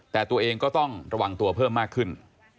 แต่ตัวเองก็ต้องระวังตัวเพิ่มมากขึ้น